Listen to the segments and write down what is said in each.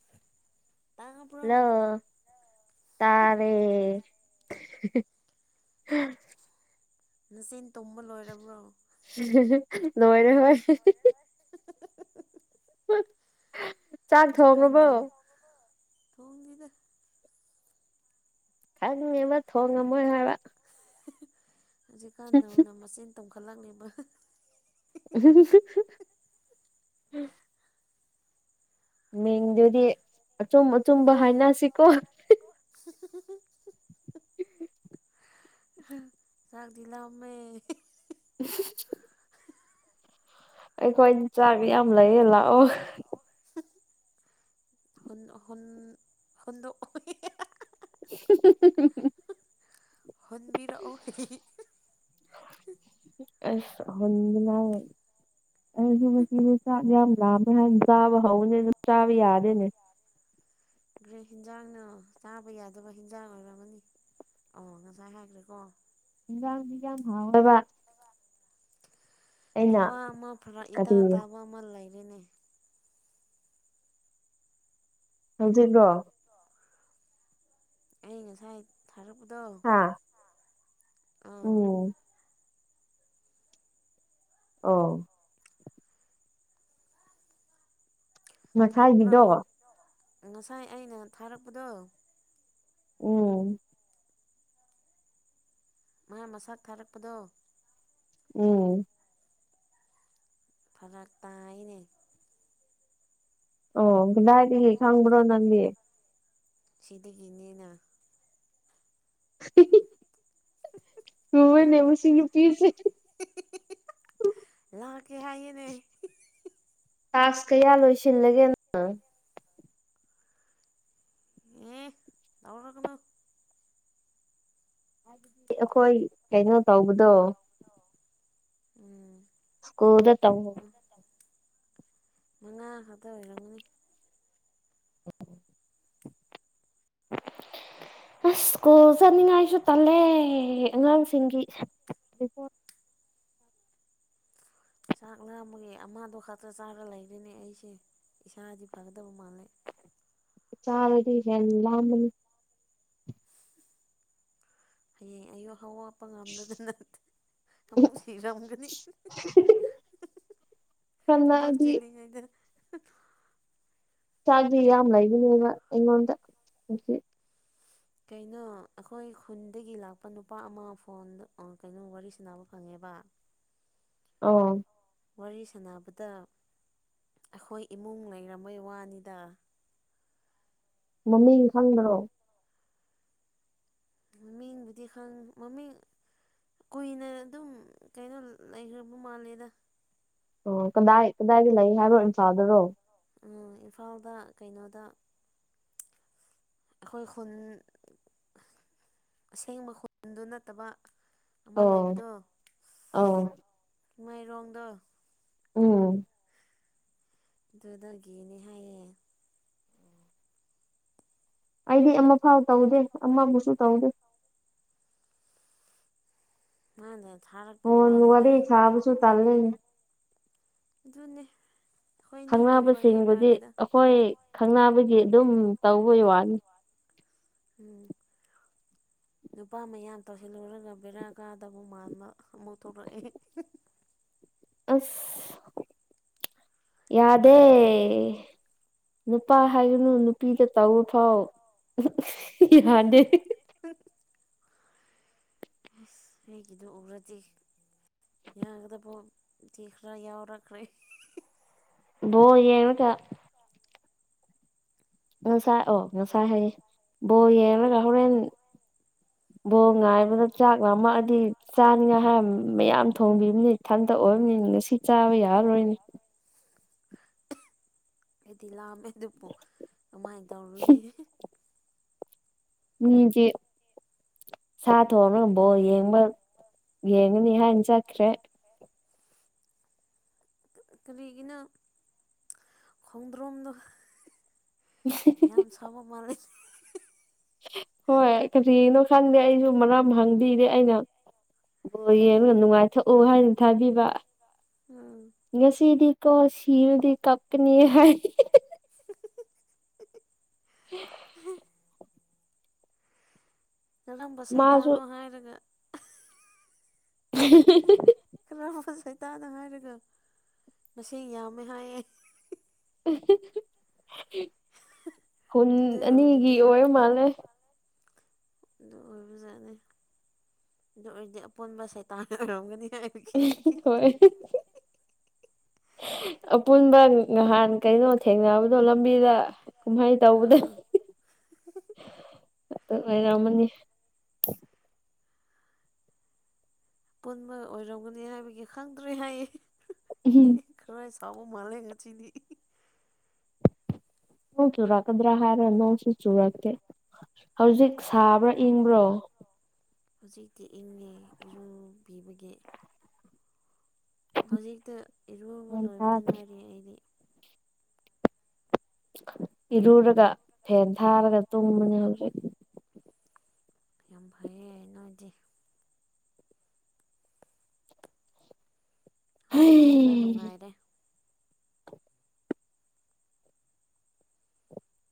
[inaudible] ꯂ ꯇꯥꯔꯦ ꯅꯆꯦꯟ ꯇꯨꯝꯕ ꯂꯣꯏꯔꯕ꯭ꯔꯣ ꯅꯣꯏꯅ ꯍꯣꯏ ꯂꯣꯏꯅꯦ ꯅꯣꯏ ꯍ ꯖꯤ ꯀꯥ ꯑꯗꯨ ꯊꯣꯡꯕꯤꯗ ꯈꯪꯉꯦꯕ ꯊꯣꯡꯉꯝꯃꯣꯏ ꯍꯥꯏꯕ ꯍꯧꯖꯤꯛꯀꯥꯟ ꯅꯧꯅ ꯃꯆꯦꯟ ꯇꯣꯡꯈꯠꯂꯛꯅꯦꯕ ꯑꯁꯤꯁꯤ ꯃꯤꯡꯗꯨꯗꯤ ꯑꯆꯨꯝ ꯑꯆꯨꯝꯕ ꯍꯥꯏꯅꯁꯤꯀꯣ ꯆꯥꯛꯗꯤꯂꯥꯥꯎꯃꯦ ꯎꯝ ꯑꯩꯈꯣꯏꯗꯤ ꯆꯥꯛ ꯌꯥꯝ ꯂꯩꯌꯦ ꯂꯥꯛꯑꯣ ꯍꯨ ꯍꯨꯟ ꯍꯨꯗ [inaudible] ꯍꯣꯟꯕꯤꯔꯛꯑꯣ ꯑꯁ ꯍ ꯑꯩꯁꯨ ꯉꯆꯁꯦ ꯆꯥꯛ ꯌꯥꯝ ꯂꯥꯃꯦ ꯍꯥꯏꯅ ꯆꯥꯕ ꯍꯧꯅꯦ ꯆꯥꯕ ꯌꯥꯗꯦꯅꯦ ꯭ꯔꯦ ꯍꯦꯟꯖꯥꯡꯅ ꯆꯥꯕ ꯌꯥꯗꯕ ꯍꯤꯟꯖꯥꯡ ꯑꯣꯏꯔꯝꯃꯅꯤ ꯑꯣ ꯉꯁꯥꯏ ꯍꯥꯏꯈ꯭ꯔꯦꯀꯣ ꯍꯤꯟꯒꯥꯡꯗꯤ ꯌꯥꯝ ꯍꯥꯎꯕ ꯅꯨꯨꯄꯥ ꯑꯃ ꯐꯔꯛ ꯏꯇꯥ ꯀꯔꯤ ꯇꯥꯕ ꯑꯃ ꯂꯩꯔꯦꯅꯦ ꯍꯧꯖꯤꯀꯣ ꯑ ꯑꯩ ꯉꯁꯥꯏ ꯊꯥꯔꯛꯄꯗꯣ ꯑꯥ ꯑꯣ ꯑꯥꯎ ꯉꯁꯥꯏꯒꯤꯗꯣ ꯊꯣꯛꯂꯛꯑꯣ ꯉꯁꯥꯏ ꯑꯩꯅ ꯊꯥꯔꯛꯄꯗꯣ ꯑꯣ ꯃꯥ ꯃꯁꯥ ꯊꯥꯔꯛꯄꯗꯣ ꯎꯝ ꯐꯔꯛ ꯇꯅꯦ ꯑꯣꯗꯥꯥꯏꯗꯤ ꯍ ꯈꯪꯕ꯭ꯔꯣ ꯅꯪꯒꯦ ꯁꯤꯗꯒꯤꯅꯦꯅ [inaudible] ꯍꯨꯟꯅꯕꯨꯁꯤꯡꯒꯤ ꯄꯤꯁ ꯂꯥꯛꯀꯦ ꯍꯥꯏꯌꯦꯦꯅꯦ ꯇꯥꯛꯁ ꯀꯌꯥ ꯂꯣꯏꯁꯤꯜꯂꯒꯦꯅ ꯑꯧꯔ ꯀꯩꯅ ꯑꯩꯈꯣꯏ ꯀꯩꯅꯣ ꯇꯧꯕꯗꯣ ꯎꯝ ꯀꯣꯗꯣ ꯇꯃꯣ ꯍꯅ ꯆ ꯃꯉꯥ ꯈꯛꯇ ꯑꯣꯏꯔꯝꯒꯅꯤ ꯑꯣ [inaudible] ꯑ ꯁ꯭ꯀꯨꯜ ꯆꯠꯅꯤꯡꯉꯥꯏꯁꯨ ꯇꯂꯦ ꯑꯉꯥꯡꯁꯤꯡꯒꯤ ꯆꯥꯛ ꯂꯥꯃꯒ ꯑꯃꯗꯣ ꯈꯛꯇ ꯆꯥꯔ ꯂꯩꯔꯤꯅꯦ ꯑꯩꯁꯦ ꯏꯁꯥꯗꯤ ꯐꯒꯗꯕ ꯃꯥꯜꯂꯦ ꯆꯥꯗꯤ ꯑꯦ ꯍꯌꯦꯡ ꯑꯌꯨ ꯍꯥꯎ ꯄꯉꯥꯝꯗꯗ ꯅꯠꯇꯦ ꯑꯃꯨꯛ ꯁꯤꯔꯝꯒꯅꯤ ꯈꯔ ꯊꯃꯛ ꯅꯛꯑꯗꯤ ꯆꯂꯤꯉꯗ ꯆꯥꯗꯤ ꯌꯥꯝ ꯂꯩꯒꯅꯦꯕ ꯑꯩꯉꯣꯟꯗ ꯍꯧ ꯀꯩꯅꯣ ꯑꯩꯈꯣꯏ ꯈꯨꯟꯗꯒꯤ ꯂꯥꯛꯄ ꯅꯨꯄꯥ ꯑꯃ ꯐꯣꯟꯗ ꯀꯩꯅꯣ ꯋꯥꯔꯤ ꯁꯅꯕ ꯐꯪꯉꯦꯕ ꯑꯣ ꯋꯥꯔꯤ ꯁꯥꯟꯅꯕꯗ ꯑꯩꯈꯣꯏ ꯏꯃꯨꯡ ꯂꯩꯔꯝꯝꯕꯣꯏ ꯋꯥꯅꯤꯗ ꯃꯃꯤꯡ ꯈꯪꯕ꯭ꯔꯣ ꯃꯃꯤꯡꯕꯨꯗꯤ ꯈꯪ ꯃꯃꯤꯡ ꯀꯨꯏꯅ ꯑꯗꯨꯝ ꯀꯩꯅꯣ ꯂꯩꯈ꯭ꯔꯕ ꯃꯥꯜꯂꯦꯗ ꯑꯣ ꯀꯗꯥꯏ ꯀꯗꯥꯏꯗ ꯂꯩ ꯍꯥꯏꯔꯣ ꯏꯝꯐꯥꯜꯗꯨꯔꯣ ꯏꯝꯐꯥꯜꯗ ꯀꯩꯅꯣꯗ ꯑꯩꯈꯣꯏ ꯈꯨꯟ ꯑꯁꯦꯡꯕ ꯈꯨꯟꯗꯨ ꯅꯠꯇꯕ ꯑꯃ ꯑꯣ ꯑꯧ ꯂꯩꯕꯗꯣꯃꯥꯏꯔꯣꯡꯗꯣ ꯑꯣ ꯑꯗꯨꯗꯒꯤꯅꯦ ꯍꯥꯏꯌꯦꯦ ꯑꯩꯗꯤ ꯑꯃꯐꯥꯎ ꯇꯧꯗꯦ ꯑꯃꯕꯨꯁꯨ ꯇꯧꯗꯦ ꯃꯥꯗ ꯊꯥꯔꯛꯄꯒꯤ ꯋꯥꯅꯤꯗ ꯁꯨꯇꯥꯔꯂ ꯖꯅꯤ ꯈꯪꯕꯁꯤꯡꯕꯨꯗꯤ ꯑꯩꯈꯣꯏ ꯈꯪꯕꯒꯤ ꯑꯗꯨꯝ ꯇꯧꯕꯩ ꯋꯥꯅꯤ ꯎꯝ ꯅꯨꯄꯥ ꯃꯌꯥ ꯇꯧꯁꯤꯜꯂꯨꯔꯒ ꯕꯦꯔꯥ ꯀꯥꯗꯕ ꯃꯥꯟꯕ ꯑꯃꯨꯛ ꯊꯣꯛꯂꯛꯑꯦ ꯑꯁ ꯌꯥꯗꯦ ꯅꯨꯄꯥ ꯍꯥꯏꯒꯅꯨ ꯅꯨꯄꯤꯒ ꯇꯧꯕ ꯐꯥꯎ ꯌꯥꯗꯦ ꯎꯝ ꯑꯩꯒꯤꯗꯨꯣ ꯎꯔꯗꯤ ꯌꯥꯒꯗꯕꯣ ꯊꯤꯈ꯭ꯔꯥ ꯌꯥꯎꯔꯛꯈ꯭ꯔꯦ ꯕꯣ ꯌꯦꯅꯀ ꯃꯁꯥ ꯑꯣ ꯃꯁꯥ ꯍꯥꯏꯩ ꯕꯣ ꯔ ꯍꯣꯔꯦꯟꯦꯟ ꯕꯣ ꯉꯥꯏꯕꯗ ꯆꯥꯛ ꯉꯝꯃꯛꯛꯑꯗꯤ ꯆꯥꯅꯤꯉꯥꯏ ꯍꯥꯏ ꯃꯌꯥꯝ ꯊꯣꯡꯕꯤꯕꯅꯤ ꯊꯟꯗꯛ ꯑꯣꯏꯕꯅꯤꯅ ꯁꯤ ꯆꯥꯕ ꯌꯥꯔꯔꯣꯏꯅꯦ ꯑꯩꯗꯤ ꯂꯥꯑꯝꯃꯦ ꯑꯗꯨꯕꯨ ꯀꯃꯥꯏꯅ ꯇꯧꯔꯨꯅꯤ ꯎꯝꯗꯤ ꯁꯥ ꯊꯣꯡꯅꯕꯕꯣ ꯌꯦꯡꯕ ꯌꯦꯡꯉꯅꯤ ꯍꯥꯏꯅ ꯆꯠꯈ꯭ꯔꯦ ꯀꯔꯤꯒꯤꯅ ꯈꯣꯡꯗ꯭ꯔꯣꯝꯗꯣ ꯌꯥꯝ ꯁꯕ ꯃꯥꯔ ꯍꯣꯏ ꯀꯔꯤꯒꯤꯅꯣ ꯈꯪꯗꯦ ꯑꯩꯁꯨ ꯃꯔꯝ ꯍꯪꯕꯤꯔꯦ ꯑꯩꯅ ꯑꯣ ꯌꯦꯡꯉ ꯌꯥꯝ ꯅꯨꯡꯉꯥꯏꯊꯣꯛꯎ ꯍꯥꯏꯅ ꯊꯥꯕꯤꯕ ꯑꯝ ꯉꯁꯤꯗꯤ ꯀꯣ ꯁꯤꯜꯗꯤ ꯀꯞꯄꯅꯤ ꯍꯥꯏ ꯍ ꯃꯥꯁꯨ ꯀꯔꯝꯕꯁꯥꯏꯇꯥꯅꯣ ꯍꯥꯏꯔꯒ [inaudible] ꯈꯔ ꯁꯩꯇꯥꯗ ꯍꯥꯏꯔꯒ ꯃꯁꯤꯡ ꯌꯥꯝꯃꯦ ꯍꯥꯏꯌꯦꯦ ꯍꯨꯟ ꯑꯗꯨ ꯑꯅꯤꯒꯤ ꯑꯣꯏꯔꯗꯤ ꯑꯣꯏꯔ ꯃꯥꯜꯂꯦ ꯑꯗꯨ ꯑꯣꯏꯕꯖꯅꯤ ꯑꯗꯨ ꯑꯣꯏꯔꯗꯤ ꯑꯄꯣꯟꯕ ꯁꯦ ꯇ ꯑꯣꯏꯔꯝꯒꯅꯤ ꯍꯥꯏꯕꯒꯤ ꯍꯣꯏ ꯑꯄꯨꯟꯕ ꯉꯍꯥꯟ ꯀꯩꯅꯣ ꯊꯦꯡꯅꯕꯗꯣ ꯂꯝꯕꯤꯗ ꯀꯨꯝꯍꯩ ꯇꯧꯕꯗ ꯑꯥ ꯑꯗꯨ ꯉꯥꯏꯔꯝꯃꯅꯤ ꯄꯨꯟꯕ ꯑꯣꯏꯔꯝꯒꯅꯤ ꯍꯥꯏꯕꯒꯤ ꯈꯪꯗ꯭ꯔꯦ ꯍꯥꯏꯌꯦ ꯈꯔꯥ ꯁꯥꯎꯕ ꯃꯥꯜꯂꯦ ꯉꯁꯤꯗꯤ ꯅꯣꯡ ꯆꯨꯔꯛꯀꯗ꯭ꯔꯥ ꯍꯥꯏꯔ ꯅꯣꯡꯁꯨ ꯆꯨꯔꯛꯇꯦ ꯍꯧꯖꯤꯛ ꯁꯥꯕ꯭ꯔꯥ ꯏꯪꯕ꯭ꯔꯣ ꯍꯧꯖꯤꯛꯇꯤ ꯏꯪꯉꯦ ꯏꯔꯨꯕꯤꯕꯒꯤ ꯍꯧꯖꯤꯛꯇ ꯏꯔꯨꯕ ꯂꯣꯏꯕꯗ ꯉꯥꯏꯔꯤ ꯑꯩꯗꯤ ꯏꯔꯨꯔꯒ ꯐꯦꯟ ꯊꯥꯔꯒ ꯇꯨꯝꯕꯅꯦ ꯍꯧꯖꯤꯛ ꯌꯥꯝ ꯐꯩꯌꯦ ꯅꯣꯏꯗꯤ ꯍꯧꯖꯤꯛꯇꯤ ꯈꯔ ꯍꯩ ꯅꯨꯡꯉꯥꯏꯔꯦ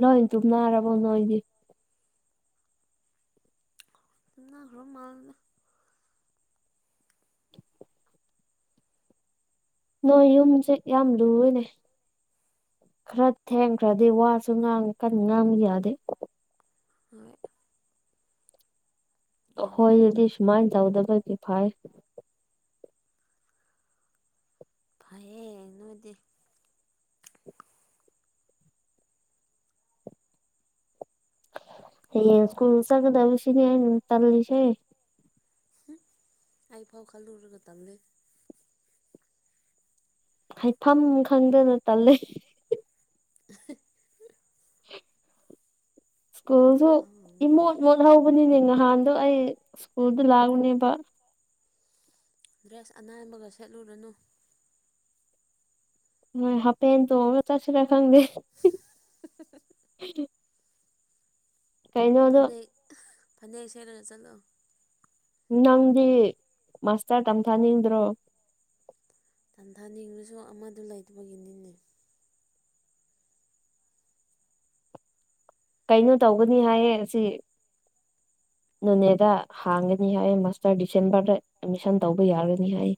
ꯂꯣꯏ ꯇꯨꯝꯅꯔꯕꯣ ꯅꯣꯏꯗꯤ ꯇꯨꯝꯅꯈꯔ ꯃꯥꯜꯂꯦ ꯅꯣꯏ ꯌꯨꯝꯖꯦ ꯌꯥꯝ ꯂꯨꯌꯦꯅꯦ ꯈꯔ ꯊꯦꯡꯈ꯭ꯔꯗꯤ ꯋꯥꯁꯨ ꯉꯥꯡ ꯀꯟ ꯉꯥꯡꯕ ꯌꯥꯗꯦ ꯍꯣꯏ ꯌꯥꯔꯦ ꯍꯣꯏ ꯑꯗꯤ ꯁꯨꯃꯥꯏꯅ ꯇꯧꯗꯕꯒꯤ ꯐꯩ ꯐꯌꯦ ꯅꯣꯏꯗꯤ ꯍꯌꯦꯡ ꯁꯀꯨ꯭ꯜ ꯆꯠꯀꯒꯗꯕꯁꯤꯅꯦ ꯑꯩ ꯇꯜꯂꯤꯁꯦ ꯍꯨꯝ ꯑꯩꯐꯥꯎ ꯈꯜꯂꯨꯔꯒ ꯇꯜꯂꯦ ꯍꯥꯏꯐꯝ ꯈꯪꯗꯅ ꯇꯜꯂꯦ [unintelligible] [unintelligible] ꯁ꯭ꯀꯨꯜꯁꯨ ꯏꯃꯣꯠ ꯃꯣꯠꯍꯧꯕꯅꯤꯅꯦ ꯅꯍꯥꯟꯗꯣ ꯑꯩ ꯁ꯭ꯀꯨꯜꯗ ꯂꯥꯛꯎꯅꯦꯕ ꯗ꯭ꯔꯦꯁ ꯑꯅꯥꯟꯕꯒ ꯁꯦꯠꯂꯨꯔꯅꯨ ꯅꯣꯏ ꯍꯥꯞꯄꯦꯟ ꯇꯣꯡꯔꯒ ꯆꯠꯁꯤꯔ ꯈꯪꯗꯦ ꯍꯥ ꯍꯥ ꯍꯥ ꯍꯥ [unintelligible] ꯀꯩꯅꯣꯗꯣ ꯐꯅꯦꯛ ꯐꯅꯦꯛ ꯁꯦꯠꯔꯒ ꯆꯠꯂꯣ ꯅꯪꯗꯤ ꯃꯥꯁꯇꯔ ꯇꯝꯊꯥꯅꯤꯡꯗ꯭ꯔꯣ ꯇꯝꯊꯥꯅꯤꯡꯂꯁꯨ ꯑꯃꯗꯨ ꯂꯩꯇꯕꯒꯤꯅꯤꯅꯦ ꯀꯩꯅꯣ ꯇꯧꯒꯅꯤ ꯍꯥꯏꯌꯦ ꯉꯁꯤ ꯃꯦꯅꯦꯗ ꯍꯥꯡꯒꯅꯤ ꯍꯥꯏꯌꯦ ꯃꯥꯁꯇꯔ ꯗꯤꯁꯦꯝꯕꯔꯗ ꯑꯦꯠꯃꯤꯁꯟ ꯇꯧꯕ ꯌꯥꯒꯅꯤ ꯍꯥꯏꯌꯦ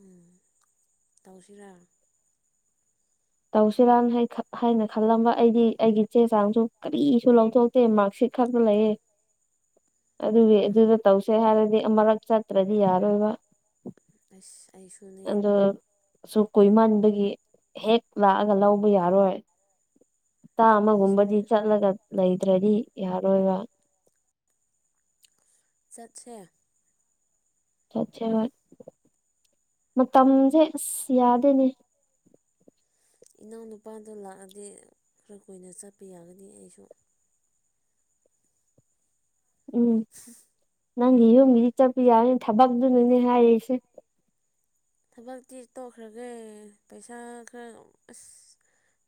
ꯎꯝ ꯇꯧꯁꯤꯔꯥ ꯇꯧꯁꯤꯔꯥ ꯍꯥꯏ ꯍꯥꯏꯅ ꯈꯜꯂꯝꯕ ꯑꯩꯗꯤ ꯑꯩꯒꯤ ꯆꯦ ꯆꯥꯡꯁꯨ ꯀꯔꯤꯁꯨ ꯂꯧꯊꯣꯛ ꯇꯦꯟ ꯃꯥ꯭ꯛꯁꯤꯠ ꯈꯛꯇ ꯂꯩꯌꯦ ꯑꯗꯨꯒꯤ ꯑꯗꯨꯗ ꯇꯧꯁꯦ ꯍꯥꯏꯔꯗꯤ ꯑꯃꯔꯛ ꯆꯠꯇ꯭ꯔꯗꯤ ꯌꯥꯔꯣꯏꯕ ꯑꯁ ꯑꯩꯁꯨ ꯑꯗꯨ ꯁꯨ ꯀꯨꯏꯃꯟꯕꯒꯤ ꯍꯦꯛ ꯂꯥꯛꯑꯒ ꯂꯧꯕ ꯌꯥꯔꯣꯏ ꯍꯞꯇꯥ ꯑꯃꯒꯨꯝꯕꯗꯤ ꯑꯩꯁꯨꯅꯦ ꯆꯠꯂꯒ ꯂꯩꯗ꯭ꯔꯗꯤ ꯌꯥꯔꯣꯏꯕ ꯆꯠꯁꯦ ꯆꯠꯁꯦ ꯍꯣꯏ ꯃꯇꯝꯁꯦ ꯑꯁ ꯌꯥꯗꯦꯅꯦ ꯏꯅꯥꯎꯅꯨꯄꯥꯗꯨ ꯂꯥꯛꯑꯗꯤ ꯈꯔ ꯀꯨꯏꯅ ꯆꯠꯄ ꯌꯥꯒꯅꯤ ꯑꯩꯁꯨ ꯎꯝ ꯅꯪꯒꯤ ꯌꯨꯝꯒꯤꯗꯤ ꯆꯠꯄ ꯌꯥꯅꯤ ꯊꯕꯛꯇꯨꯅꯤꯅꯦ ꯍꯥꯏꯔꯤꯁꯦ ꯊꯕꯛꯇꯤ ꯇꯣꯛꯈ꯭ꯔꯒꯦ ꯄꯩꯁꯥ ꯈꯔ ꯑꯁ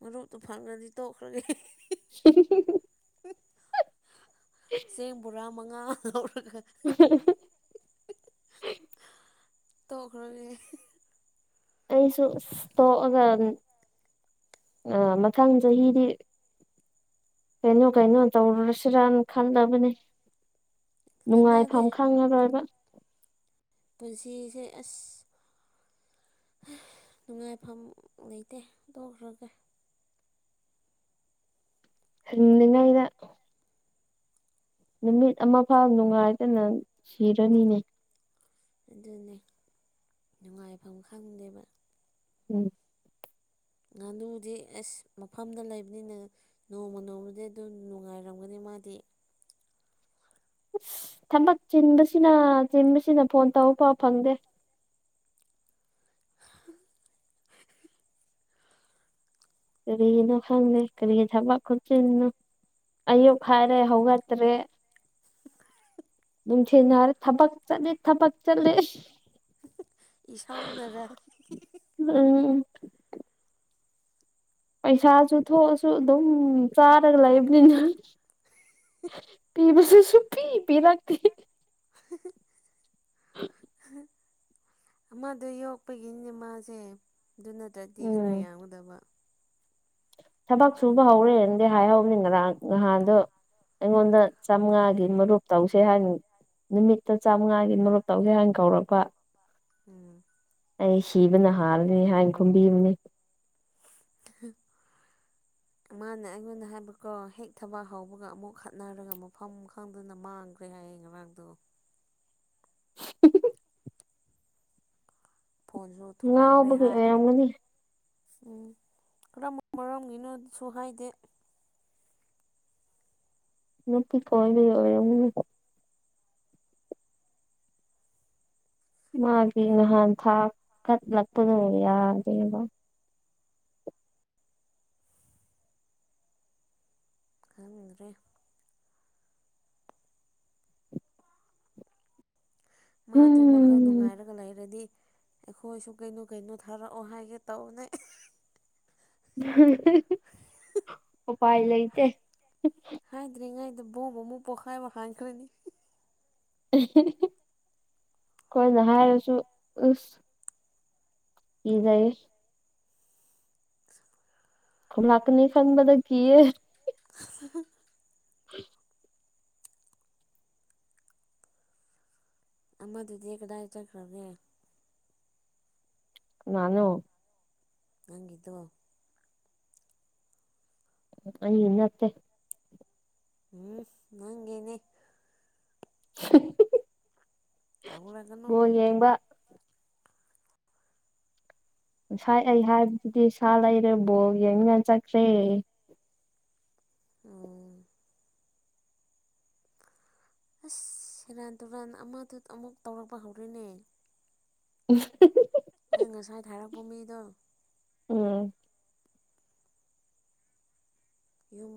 ꯃꯔꯨꯞꯇꯨ ꯐꯪꯔꯗꯤ ꯇꯣꯛꯈ꯭ꯔꯒꯦ ꯍꯨꯝ ꯍꯨꯝ ꯆꯦꯡ ꯕꯣꯔꯥ ꯃꯪꯉꯥ ꯂꯧꯔꯒ ꯍꯝ ꯍꯝ [unintelligible] ꯇꯣꯛꯈꯔꯒꯦ ꯑꯩꯁꯨ ꯑꯁ ꯊꫭꯛꯑꯗꯝꯅꯦ ꯑ ꯃꯊꯪ ꯆꯍꯤꯗꯤ ꯀꯩꯅꯣ ꯀꯩꯅꯣ ꯇꯧꯔꯨꯔꯁꯤꯔꯅ ꯈꯜꯂꯕꯅꯦ ꯀꯥꯟꯅꯗꯦ ꯅꯨꯡꯉꯥꯏꯐꯝ ꯈꯪꯉꯔꯣꯏꯕ ꯄꯨꯟꯁꯤꯁꯦ ꯑꯁ ꯅꯨꯡꯉꯥꯏꯐꯝ ꯂꯩꯇꯦ ꯇꯣꯛꯈ꯭ꯔꯒꯦ ꯍꯟꯅꯤꯉꯥꯏꯅ ꯅꯨꯃꯤꯠ ꯑꯃꯐꯥꯎ ꯅꯨꯡꯉꯥꯏꯗꯅ ꯁꯤꯔꯅꯤꯅꯦ ꯑꯗꯨꯅꯦ ꯅꯨꯡꯉꯥꯏꯐꯝ ꯈꯪꯗꯦꯕ ꯎꯝ ꯉꯥꯅꯨꯗꯤ ꯑꯩꯁ ꯃꯐꯝꯗ ꯂꯩꯕꯅꯤꯅ ꯅꯣꯡꯃ ꯅꯣꯡꯃꯗꯤ ꯑꯗꯨꯝ ꯅꯨꯡꯉꯥꯏꯔꯝꯒꯅꯤ ꯃꯥꯗꯤ ꯑꯁ ꯊꯕꯛ ꯆꯤꯟꯕꯁꯤꯅ ꯆꯤꯟꯕꯁꯤꯅ ꯐꯣꯟ ꯇꯧ ꯐꯥꯎ ꯐꯪꯗꯦ ꯀꯔꯤꯒꯤꯅꯣ ꯈꯪꯗꯦ ꯀꯔꯤ ꯊꯕꯛ ꯈꯨꯠꯆꯤꯟꯅꯣ ꯑꯌꯨꯛ ꯍꯥꯏꯔꯦ ꯍꯧꯒꯠꯇꯔꯦ ꯅꯨꯡꯊꯤꯜ ꯍꯥꯏꯔꯦ ꯊꯕꯛ ꯆꯠꯂꯦ ꯊꯕꯛ ꯆꯠꯂꯦ ꯏ ꯁꯧꯅꯒ ꯅꯪ ꯄꯩꯁꯥꯁꯨ ꯊꯣꯛꯑꯁꯨ ꯑꯗꯨꯝ ꯆꯥꯔꯒ ꯂꯩꯕꯅꯤꯅ ꯄꯤꯕꯁꯨ ꯁꯎ꯫ꯄꯤ ꯄꯤꯔꯛꯛꯇꯦ [unintelligible] ꯑꯃꯗꯨ ꯌꯣꯛꯄꯒꯤꯅꯦ ꯃꯥꯁꯦ ꯑꯗꯨ ꯅꯠꯇ꯭ꯔꯗꯤ ꯎꯝ ꯈꯔ ꯌꯥꯝꯒꯗꯕ ꯊꯕꯛ ꯁꯨꯕ ꯍꯧꯔꯦꯅꯗꯤ ꯍꯥꯏꯍꯧꯕꯅꯤ ꯉꯔꯥꯡ ꯅꯍꯥꯟꯗꯨ ꯑꯩꯉꯣꯟꯗ ꯆꯝꯉꯥꯒꯤ ꯃꯔꯨꯞ ꯇꯧꯁꯤ ꯍꯥꯏꯅꯤ ꯅꯨꯃꯤꯠꯇꫭ ꯆꯥꯝꯉꯥꯒꯤ ꯃꯔꯨꯞ ꯇꯧꯖꯩ ꯍꯥꯏꯅ ꯀꯧꯔꯛꯄ ꯎꯝ ꯑꯩ ꯁꯤꯕꯅ ꯍꯥꯜꯂꯅꯤ ꯍꯥꯏꯅ ꯈꯨꯝꯕꯤꯕꯅꯦ ꯃꯥꯅ ꯑꯩꯉꯣꯟꯗ ꯍꯥꯏꯕꯀꯣ ꯍꯦꯛ ꯊꯕꯛ ꯍꯧꯕꯒ ꯑꯃꯨꯛ ꯈꯠꯅꯔꯒ ꯃꯐꯝ ꯈꯪꯗꯅ ꯃꯥꯡꯕ ꯈꯔꯦ ꯍꯥꯏꯌꯦ ꯉꯔꯥꯡꯗꯣ ꯐꯣꯟꯖꯨ ꯊꯨꯒꯥꯏꯒ꯭ꯔꯦ ꯉꯥꯎꯕꯒꯤ ꯍꯥꯏ ꯑꯣꯏꯔꯝꯒꯅꯤ ꯎꯝ ꯀꯔꯝꯕ ꯃꯔꯝꯒꯤꯅꯣ ꯑꯗꯨꯁꯨ ꯍꯥꯏꯗꯦ ꯅꯨꯄꯤ ꯀꯣꯏꯕꯒꯤ ꯑꯣꯏꯔꯝꯒꯅꯤꯀꯣ ꯃꯥꯒꯤ ꯅꯍꯥꯟ ꯊꯥꯛ ꯀꯠꯂꯛꯄꯗꯣ ꯌꯥꯗꯦꯕ ꯈꯪꯗ꯭ꯔꯦ ꯃꯥꯗꯣ ꯋꯥꯛ ꯋꯥꯈꯜ ꯎꯝ ꯅꯨꯡꯉꯥꯏꯔꯒ ꯂꯩꯔꯗꯤ ꯑꯩꯈꯣꯏꯁꯨ ꯀꯩꯅꯣ ꯀꯩꯅꯣ ꯊꯥꯔꯛꯑꯣ ꯍꯥꯏꯒꯦ ꯇꯧꯕꯅꯦ ꯎꯄꯥꯏ ꯂꯩꯇꯦ ꯍꯥꯏꯗ꯭ꯔꯤꯉꯩꯗ ꯕꯣꯝ ꯑꯃꯨꯛ ꯄꯣꯛꯈꯥꯏꯕ ꯍꯥꯟꯈ꯭ꯔꯅꯤ ꯑꯩꯈꯣꯏꯅ ꯍꯥꯏꯔꯁꯨ ꯑꯁ ꯀꯤꯖꯩ ꯈꯨꯟ ꯂꯥꯛꯀꯅꯤ ꯈꯟꯕꯗ ꯀꯤꯌꯦ [unintelligible] ꯑꯃꯗꯨꯗꯤ ꯀꯗꯥꯏ ꯆꯈ꯭ꯔꯒꯦ ꯀꯅꯥꯅꯣ ꯅꯪꯒꯤꯗꯣ ꯑꯩꯒꯤ ꯅꯠꯇꯦ ꯎꯝ ꯅꯪꯒꯤꯅꯤ [unintelligible] ꯇꯧꯔꯒꯅꯨ ꯕꯣꯜ ꯌꯦꯡꯕ ꯉꯁꯥꯏ ꯑꯩ ꯍꯥꯏꯕꯗꯨꯗꯤ ꯁꯥ ꯂꯩꯔꯦ ꯕꯣꯜ ꯌꯦꯡꯃꯤꯟꯅ ꯆꯠꯈ꯭ꯔꯦ ꯑꯣ ꯑꯁ ꯁꯦꯔꯥꯟ ꯇꯨꯔꯥꯟ ꯑꯃꯗꯨ ꯑꯃꯨꯛ ꯇꯧꯔꯛꯄ ꯍꯧꯔꯦꯅꯦ [unintelligible] ꯑꯩ ꯉꯁꯥꯏ ꯊꯥꯔꯛꯄ ꯃꯤꯗꯣ ꯎꯝ ꯌꯨꯝ